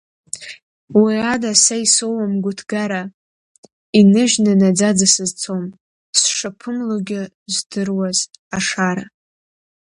Уи ада са исоуам гәыҭгара, иныжьны наӡаӡа сызцом, сшаԥымлогьы здыруаз ашара…